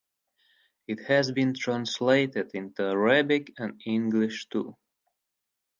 It has been translated into Arabic and English too.